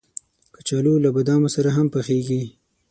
کچالو له بادامو سره هم پخېږي